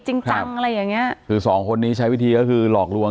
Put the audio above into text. อ๋อเจ้าสีสุข่าวของสิ้นพอได้ด้วย